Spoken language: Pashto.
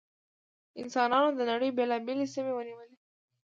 انسانانو د نړۍ بېلابېلې سیمې ونیولې.